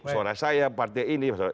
suara saya partai ini